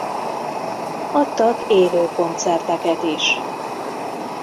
Adtak élő koncerteket is.